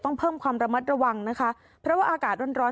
ต้องเพิ่มความระมัดระวังนะคะเพราะว่าอากาศร้อนร้อน